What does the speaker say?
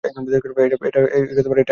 এটা একটা ট্রেক।